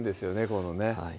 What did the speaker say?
このね